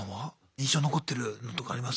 印象に残ってるのとかあります？